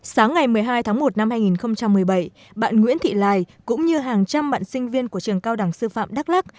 sáng ngày một mươi hai tháng một năm hai nghìn một mươi bảy bạn nguyễn thị lài cũng như hàng trăm bạn sinh viên của trường cao đẳng sư phạm đắk lắc